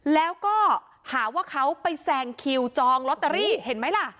แล้วก็หาว่าเขาไปแซงคิวจองลอตเตอรี่เห็นไหมล่ะ